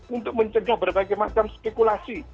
untuk mencegah berbagai macam spekulasi